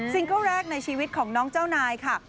เกิ้ลแรกในชีวิตของน้องเจ้านายค่ะ